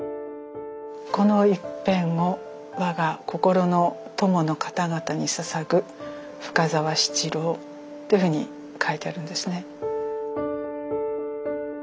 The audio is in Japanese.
「この一篇を我が心の友のかたがたに捧ぐ深澤七郎」っていうふうに書いてあるんですね。